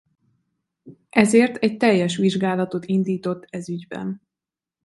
Ezért egy teljes vizsgálatot indított ez ügyben.